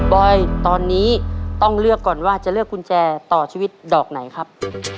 อยตอนนี้ต้องเลือกก่อนว่าจะเลือกกุญแจต่อชีวิตดอกไหนครับ